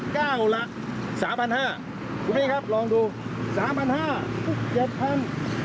เก้าละสามพันห้าคุณแม่ครับลองดูสามพันห้าทุกเจ็ดพัน